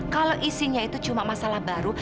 kalau isinya itu cuma masalah baru